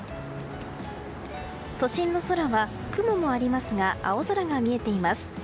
都心の空は雲もありますが青空が見えています。